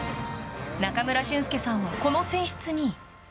中村俊介さんはこの選出に。